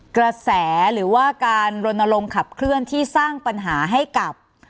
กระแสหรือว่าการรณรงค์ขับเคลื่อนที่สร้างปัญหาให้กับ